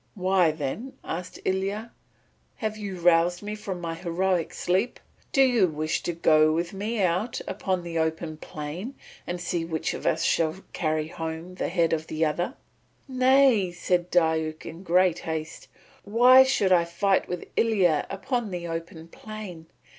"Why, then," asked Ilya, "have you roused me from my heroic sleep. Do you wish to go with me out upon the open plain and see which of us shall carry home the head of the other?" "Nay," said Diuk in great haste. "Why should I fight with Ilya upon the open plain?